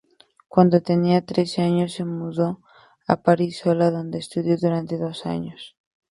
Cuando tenía trece años, se mudó a París sola, donde estudió durante dos años.